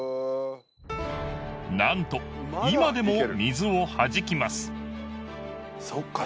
なんと今でも水を弾きます